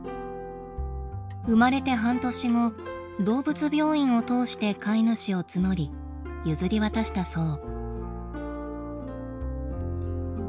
生まれて半年後動物病院を通して飼い主を募り譲り渡したそう。